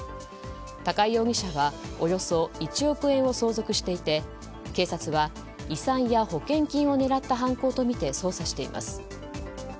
高井容疑者はおよそ１億円を相続していて警察は遺産や保険金を狙った犯行とみて捜査しています。